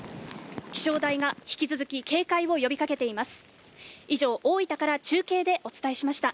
気象台が引き続き警戒を呼びかけています。